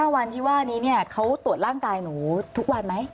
วันที่ว่านี้เขาตรวจร่างกายหนูทุกวันไหม